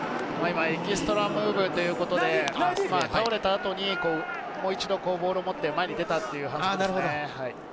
エキストラムーブということで、倒れた後にもう一度、ボールを持って前に出たという反則ですね。